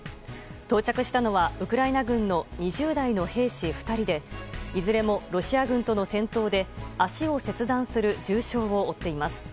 到着したのは、ウクライナ軍の２０代の兵士２人でいずれもロシア軍との戦闘で足を切断する重傷を負っています。